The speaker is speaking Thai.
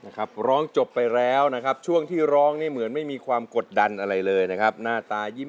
อยากเจอคนจริงใจมีไหมแถวนี้